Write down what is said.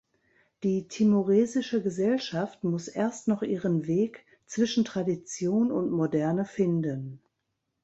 Die timoresische Gesellschaft muss erst noch ihren Weg zwischen Tradition und Moderne finden.